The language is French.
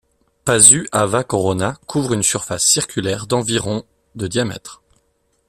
Pasu Ava Corona couvre une surface circulaire d'environ de diamètre.